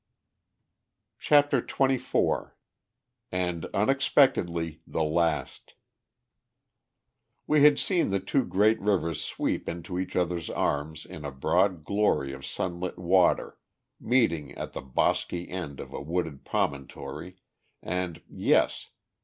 CHAPTER XXIV AND UNEXPECTEDLY THE LAST We had seen the two great rivers sweep into each other's arms in a broad glory of sunlit water, meeting at the bosky end of a wooded promontory, and yes!